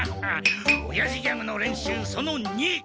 おやじギャグの練習その２！